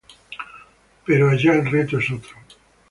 Pero allá el reto es otro.